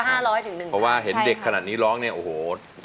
เพราะว่าเห็นเด็กขนาดนี้ร้องเนี่ยโอ้โห